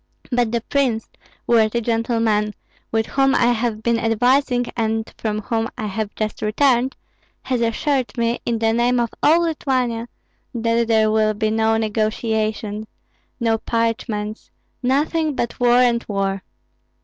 But the prince, worthy gentlemen, with whom I have been advising and from whom I have just returned, has assured me, in the name of all Lithuania, that there will be no negotiations, no parchments, nothing but war and war!"